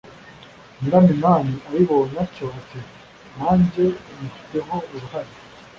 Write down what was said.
nyiraminani abibonye atyo ati: “nange nyifiteho uruhare